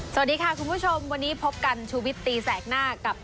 สวัสดีค่ะคุณผู้ชมวันนี้พบกันชุวิตตีแสกหน้ากับ